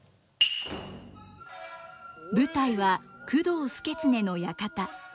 舞台は工藤祐経の館。